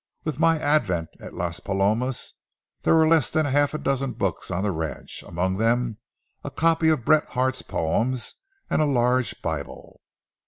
With my advent at Las Palomas, there were less than half a dozen books on the ranch, among them a copy of Bret Harte's poems and a large Bible.